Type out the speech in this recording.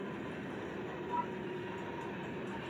阿然人口变化图示